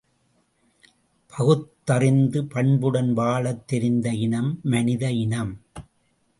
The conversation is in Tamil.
பகுத்தறிந்து, பண்புடன் வாழத் தெரிந்த இனம் மனிதஇனம்.